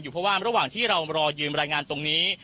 อยู่เพราะว่าระหวังที่เรารอยืนบรายงานนี้